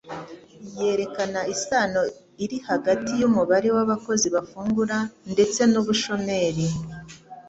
yerekana isano iri hagati y'umubare w'abakozi bafungura ndetse n'ubushomeri